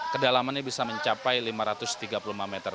kedalamannya bisa mencapai lima ratus tiga puluh lima meter